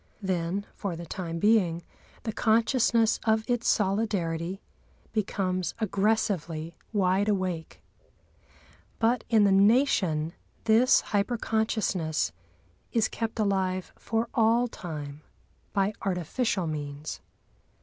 Then, for the time being, the consciousness of its solidarity becomes aggressively wide awake. But in the Nation this hyper consciousness is kept alive for all time by artificial means.